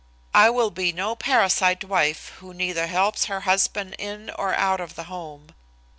I will be no parasite wife who neither helps her husband in or out of the home.